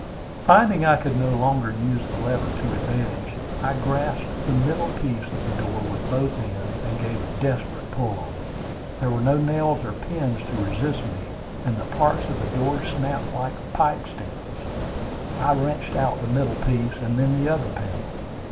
Finding I could no longer use the lever to advantage, I grasped the middle piece of the door with both hands, and gave a desperate pull at it. There were no nails or pins to resist me, and the parts of the door snapped like pipe stems. I wrenched out the middle piece, and then the other panel.